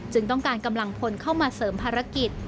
ต้องการกำลังพลเข้ามาเสริมภารกิจ